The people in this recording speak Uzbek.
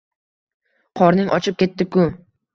Qorning ochib ketdi-ku!